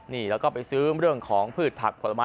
นี่แล้วก็ไปซื้อเรื่องของพืชผักผลไม้